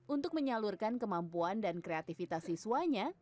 untuk menyalurkan kemampuan dan kreativitas siswanya